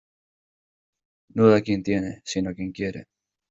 No da quien tiene, sino quien quiere.